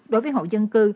đối với hộ dân cư